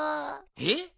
えっ？